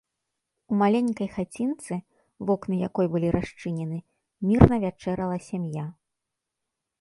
У маленькай хацінцы, вокны якой былі расчынены, мірна вячэрала сям'я.